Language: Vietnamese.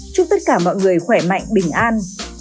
chúc tất cả mọi người khỏe mạnh bình an